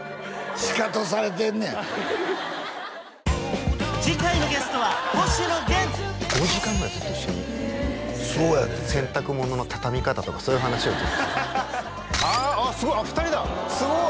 シカトされてんねん次回のゲストは星野源５時間ぐらいずっと一緒に洗濯物の畳み方とかそういう話をずっとあああっすごい２人だすごい！